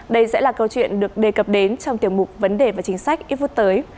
đây sẽ là câu chuyện được đề cập đến trong tiểu mục vấn đề và chính sách ít phút tới